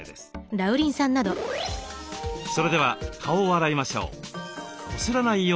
それでは顔を洗いましょう。